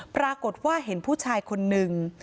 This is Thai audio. ปรากฏว่าเห็นผู้ชายคนนึง